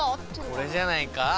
これじゃないか？